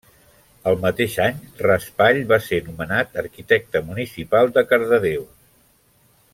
El mateix any, Raspall va ser nomenat arquitecte municipal de Cardedeu.